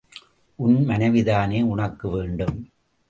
உன் மனைவிதானே உனக்கு வேண்டும்!